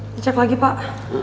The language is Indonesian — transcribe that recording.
dicek lagi pak